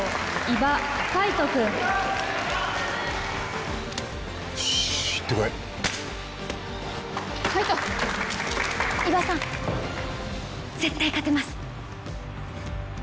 伊庭さん絶対勝てます。